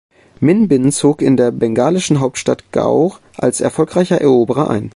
Min Bin zog in der bengalischen Hauptstadt Gaur als erfolgreicher Eroberer ein.